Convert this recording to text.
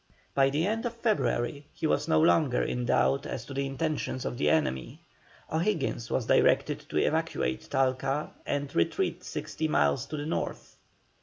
By the end of February he was no longer in doubt as to the intentions of the enemy. O'Higgins was directed to evacuate Talca and retreat sixty miles to the north.